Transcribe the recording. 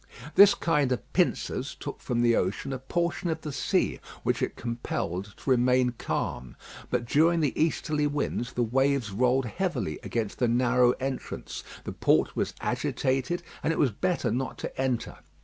This kind of pincers took from the ocean a portion of the sea, which it compelled to remain calm. But during the easterly winds the waves rolled heavily against the narrow entrance, the port was agitated, and it was better not to enter.